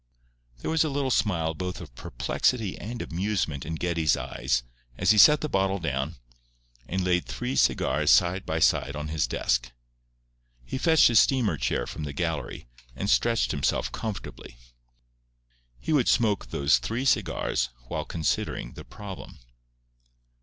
There was a little smile both of perplexity and amusement in Geddie's eyes as he set the bottle down, and laid three cigars side by side on his desk. He fetched his steamer chair from the gallery, and stretched himself comfortably. He would smoke those three cigars while considering the problem.